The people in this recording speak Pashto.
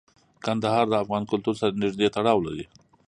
کندهار د افغان کلتور سره نږدې تړاو لري.